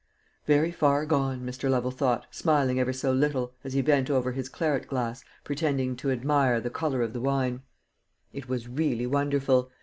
"Very far gone," Mr. Lovel thought, smiling ever so little, as he bent over his claret glass, pretending to admire the colour of the wine. It was really wonderful.